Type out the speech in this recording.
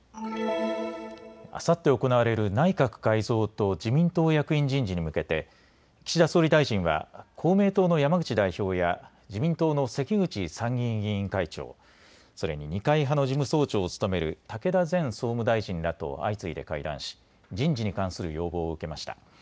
あさって行われる内閣改造と自民党役員人事に向けて岸田総理大臣は公明党の山口代表や自民党の関口参議院議員会長、それに二階派の事務総長を務める武田前総務大臣らと相次いで会談し人事に関する要望を受けました。